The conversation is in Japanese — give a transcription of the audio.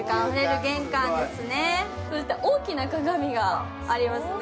大きな鏡がありますね。